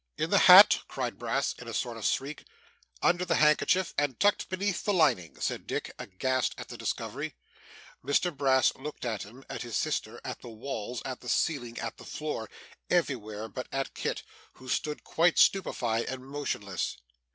'In the hat?' cried Brass in a sort of shriek. 'Under the handkerchief, and tucked beneath the lining,' said Dick, aghast at the discovery. Mr Brass looked at him, at his sister, at the walls, at the ceiling, at the floor everywhere but at Kit, who stood quite stupefied and motionless.